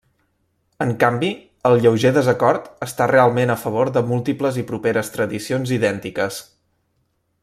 En canvi, el lleuger desacord està realment a favor de múltiples i properes tradicions idèntiques.